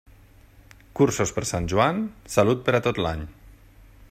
Cursos per Sant Joan, salut per a tot l'any.